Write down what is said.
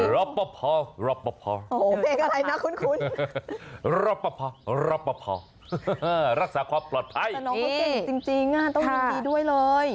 รอปภรอปภรอปภรอปภรักษาความปลอดภัยน้องเขาเก่งจริงต้องยงดีด้วยเลย